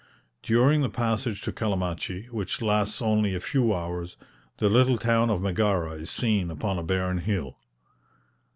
During the passage to Calamachi, which lasts only a few hours, the little town of Megara is seen upon a barren hill.